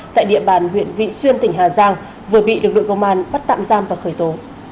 tại địa bàn huyện vị xuyên tỉnh hà giang vừa bị lực lượng công an bắt tạm giam và khởi tố